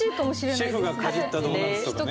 シェフがかじったドーナツとかね。